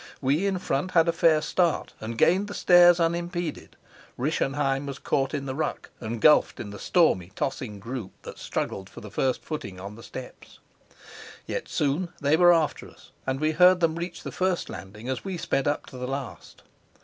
We in front had a fair start, and gained the stairs unimpeded; Rischenheim was caught up in the ruck and gulfed in the stormy, tossing group that struggled for first footing on the steps. Yet, soon they were after us, and we heard them reach the first landing as we sped up to the last.